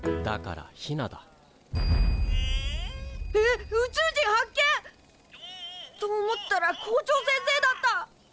えっ宇宙人発見！と思ったら校長先生だった！